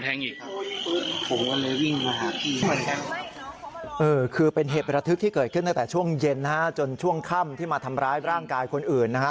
คือเป็นเหตุประทึกที่เกิดขึ้นตั้งแต่ช่วงเย็นนะฮะจนช่วงค่ำที่มาทำร้ายร่างกายคนอื่นนะฮะ